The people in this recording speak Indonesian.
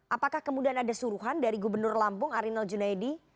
apakah kemudian ada suruhan dari gubernur lampung arinal junaidi